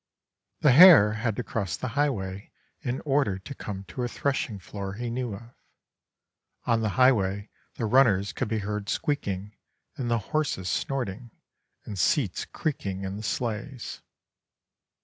The hare had to cross the highway, in order to come to a threshing floor he knew of. On the highway the run ners could be heard squeaking, and the horses snorting, and seats creaking in the sleiglis.